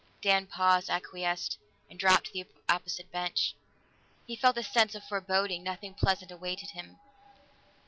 Dan paused, acquiesced, and dropped to the opposite bench. He felt a sense of foreboding; nothing pleasant awaited him.